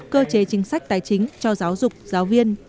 cơ chế chính sách tài chính cho giáo dục giáo viên